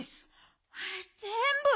あっぜんぶ？